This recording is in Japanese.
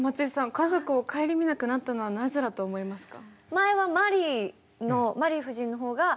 家族を顧みなくなったのはなぜだと思いますか？